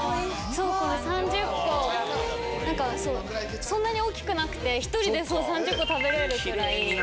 そうこれ３０個そんなに大きくなくて１人で３０個食べれるぐらい。